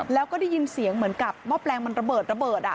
แล้วก็ได้ยินเสียงเหมือนกับหม้อแปลงมันระเบิดระเบิด